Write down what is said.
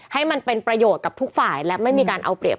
ให้มันเป็นประโยชน์กับทุกฝ่ายและไม่มีการเอาเปรียบ